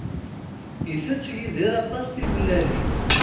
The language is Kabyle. Itett Yidir aṭas timellalin.